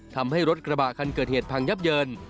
ทำให้รถกระบะคันเกิดเหตุพังยับเยิน